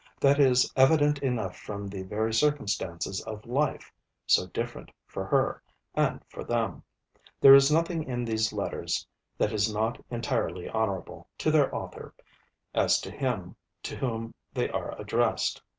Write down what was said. That is evident enough from the very circumstances of life, so different for her, and for them. There is nothing in these Letters that is not entirely honourable to their author, as to him to whom they are addressed.